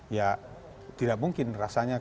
ya tidak mungkin rasanya